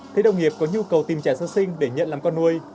thấy đồng nghiệp có nhu cầu tìm trẻ sơ sinh để nhận làm con nuôi